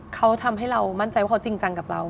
เขาทำให้เรามั่นใจว่าเขาจริงจังกับเรา